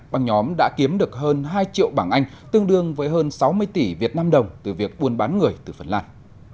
băng nhóm đã kiếm hơn hai triệu bảng anh tương đươngout hơn sáu mươi tỷ đồng havep từ việc buôn bán người từ phần lan